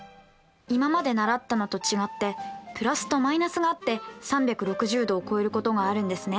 今まで習ったのと違ってプラスとマイナスがあって３６０°を超えることがあるんですね。